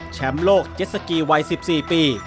แชมป์โลกเจ็ดสกีวัย๑๔ปี